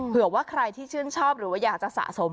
เผื่อว่าใครที่ชื่นชอบหรือว่าอยากจะสะสม